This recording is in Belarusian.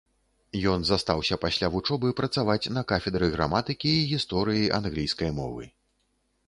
Ён застаўся пасля вучобы працаваць на кафедры граматыкі і гісторыі англійскай мовы.